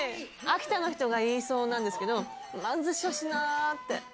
秋田の人が言いそうなんですけど、まんずしょしなあって。